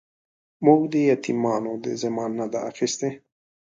موږ د يتيمانو ذمه نه ده اخيستې.